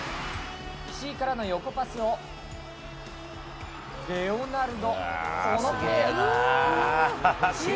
いしいからの横パスをレオナルド、このプレー。